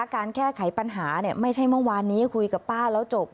การแก้ไขปัญหาไม่ใช่เมื่อวานนี้คุยกับป้าแล้วจบ